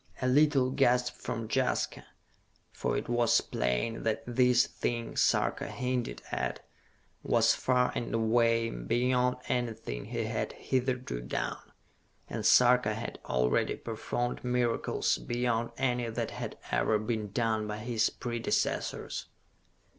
A little gasp from Jaska, for it was plain that this thing Sarka hinted at was far and away beyond anything he had hitherto done and Sarka had already performed miracles beyond any that had ever been done by his predecessors.